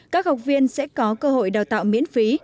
các học viên sẽ có cơ hội đào tạo miễn phí